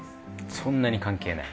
そんなに関係ない。